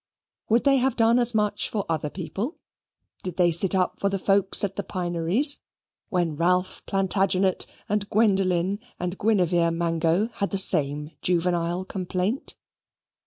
Would they have done as much for other people? Did they sit up for the folks at the Pineries, when Ralph Plantagenet, and Gwendoline, and Guinever Mango had the same juvenile complaint?